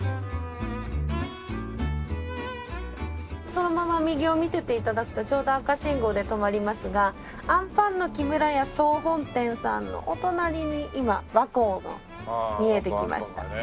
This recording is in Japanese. そのまま右を見ていて頂くとちょうど赤信号で止まりますがあんぱんの木村屋總本店さんのお隣に今和光の見えてきました。